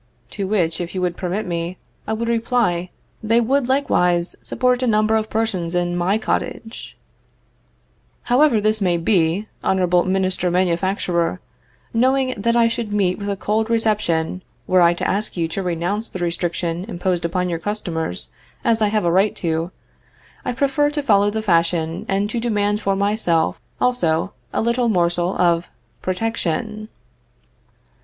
To which, if you would permit me, I would reply, they would likewise support a number of persons in my cottage. However this may be, Hon. Minister Manufacturer, knowing that I should meet with a cold reception were I to ask you to renounce the restriction imposed upon your customers, as I have a right to, I prefer to follow the fashion, and to demand for myself, also, a little morsel of protection.